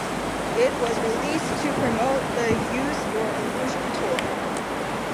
It was released to promote the Use Your Illusion Tour.